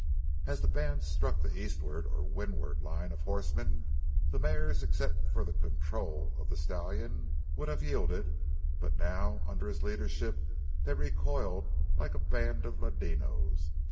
As the band struck the eastward or windward line of horsemen, the mares, except for the control of the stallion, would have yielded, but now, under his leadership, they recoiled like a band of ladinos.